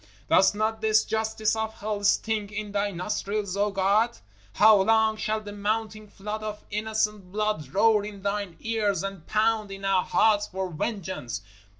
_ Doth not this justice of hell stink in Thy nostrils, O God? How long shall the mounting flood of innocent blood roar in Thine ears and pound in our hearts for vengeance?